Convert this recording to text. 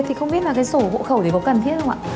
thì không biết là cái sổ hộ khẩu đấy có cần thiết không ạ